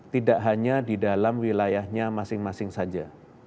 tidak hanya di dalam wilayahnya masing masing saja